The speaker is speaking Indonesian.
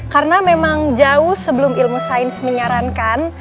karena memang jauh sebelum ilmu sains menyarankan